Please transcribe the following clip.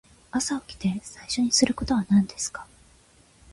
朝起きて最初にすることは何ですか。